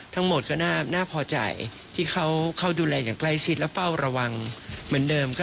ทั้งหมดก็น่าพอใจที่เขาดูแลอย่างใกล้ชิดและเฝ้าระวังเหมือนเดิม